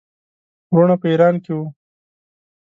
وروڼه په ایران کې وه.